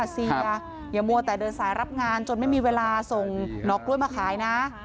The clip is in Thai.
เสียอย่ามัวแต่เดินสายรับงานจนไม่มีเวลาส่งหนอกล้วยมาขายนะ